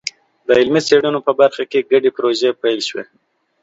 د علمي څېړنو په برخه کې ګډې پروژې پیل شوي.